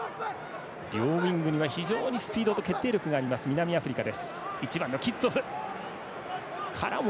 両ウイングには非常にスピードと決定力がある南アフリカ。